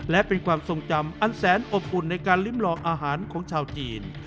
และเป็นความทรงจำอันแสนอบอุ่นในการลิ้มลองอาหารของชาวจีน